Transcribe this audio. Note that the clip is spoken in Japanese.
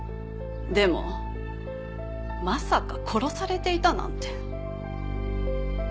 でもまさか殺されていたなんて。